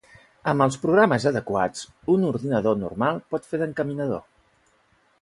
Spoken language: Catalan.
Amb els programes adequats, un ordinador normal pot fer d'encaminador.